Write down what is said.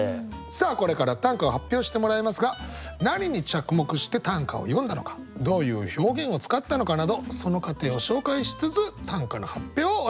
これから短歌を発表してもらいますが何に着目して短歌を詠んだのかどういう表現を使ったのかなどその過程を紹介しつつ短歌の発表をお願いします。